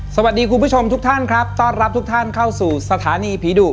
คุณผู้ชมทุกท่านครับต้อนรับทุกท่านเข้าสู่สถานีผีดุ